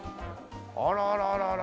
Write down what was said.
あらららら